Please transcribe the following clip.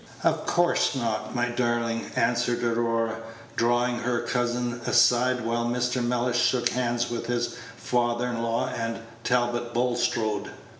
"Of course not, my darling," answered Aurora, drawing her cousin aside while Mr. Mellish shook hands with his father in law and Talbot Bulstrode.